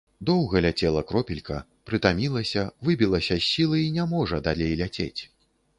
Доўга ляцела кропелька, прытамілася, выбілася з сілы і не можа далей ляцець.